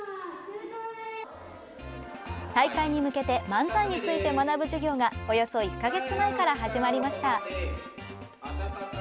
大会に向けて漫才について学ぶ授業がおよそ１か月前から始まりました。